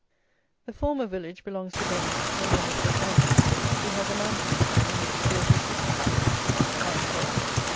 The former village belongs to Bennet, the member for the county, who has a mansion there, in which two of his sisters live, I am told.